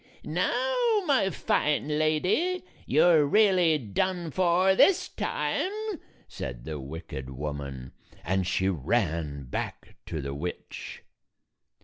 "Now, my fine lady, you 're really done for this time," said the wicked woman, and she ran back to the witch.